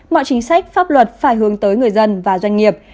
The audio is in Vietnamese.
mọi chính sách pháp luật phải hướng tới người dân và doanh nghiệp